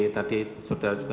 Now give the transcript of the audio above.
tadi sudah juga